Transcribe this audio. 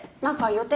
予定！？